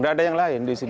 nggak ada yang lain